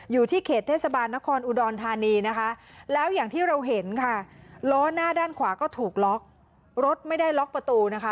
อยู่ที่เขตเทศบาลนครอุดรธานีนะคะแล้วอย่างที่เราเห็นค่ะล้อหน้าด้านขวาก็ถูกล็อกรถไม่ได้ล็อกประตูนะคะ